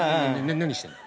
何してるの？